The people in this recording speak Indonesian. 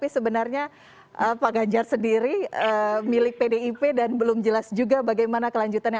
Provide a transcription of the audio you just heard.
sebenarnya pak ganjar sendiri milik pdip dan belum jelas juga bagaimana kelanjutannya